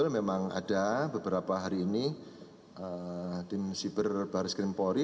memang ada beberapa hari ini tim siber baris krimpori